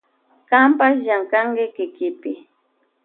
Kanpash llankanki kikipi.